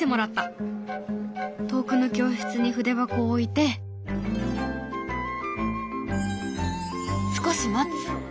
遠くの教室に筆箱を置いて少し待つ。